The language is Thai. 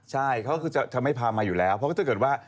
ใช่เขาก็คือจะไม่พามาอยู่แล้วเพราะถ้าเกิดว่า